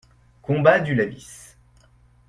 Combat du Lavis.